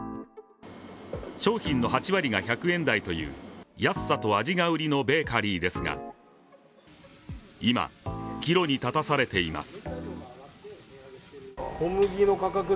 商品の８割が１００円台という安さと味が売りのベーカリーですが今、岐路に立たされています。